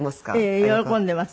ええ喜んでます。